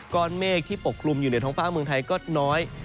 เมฆที่ปกคลุมอยู่ในท้องฟ้าเมืองไทยก็น้อย